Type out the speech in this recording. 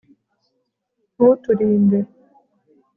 ntuturinde